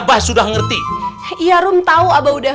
biar mereka kapok